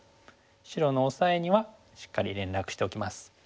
白のオサエにはしっかり連絡しておきます。